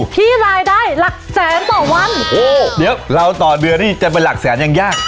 ที่รายได้หลักแสนต่อวันโอ้เดี๋ยวเราต่อเดือนนี่จะเป็นหลักแสนยังยาก